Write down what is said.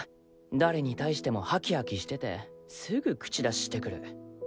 誰に対してもハキハキしててすぐ口出ししてくる。